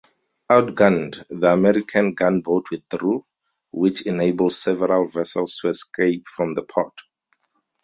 Outgunned, the American gunboat withdrew, which enabled several vessels to escape from the port.